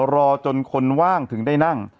รอจนคนว่างถึงได้นั่ง